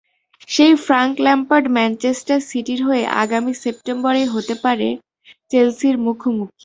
সেই Frank Lampard Manchester সিটির হয়ে আগামী সেপ্টেম্বরেই হতে পারেন চেলসির মুখোমুখি।